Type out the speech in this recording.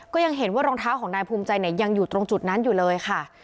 ก็ยังเห็นว่ารองเท้าของนายภูมิใจเนี่ยยังอยู่ตรงจุดนั้นอยู่เลยค่ะ